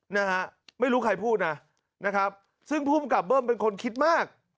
นะฮะไม่รู้ใครพูดนะนะครับซึ่งภูมิกับเบิ้มเป็นคนคิดมาก